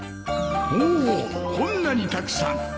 おこんなにたくさん！